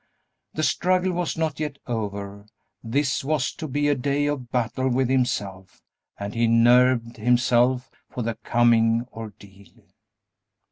The struggle was not yet over; this was to be a day of battle with himself, and he nerved himself for the coming ordeal.